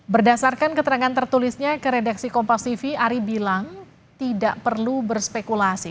berdasarkan keterangan tertulisnya ke redaksi kompas tv ari bilang tidak perlu berspekulasi